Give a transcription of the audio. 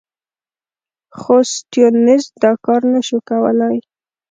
خو سټیونز دا کار نه شو کولای.